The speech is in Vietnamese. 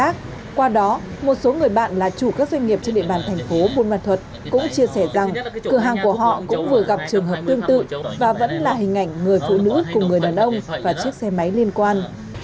chị nông thị xuân cũng chia sẻ rằng cửa hàng của họ cũng vừa gặp trường hợp tương tự và vẫn là hình ảnh người phụ nữ cùng người đàn ông và chiếc xe máy liên quan